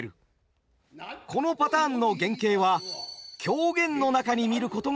このパターンの原型は狂言の中に見ることができます。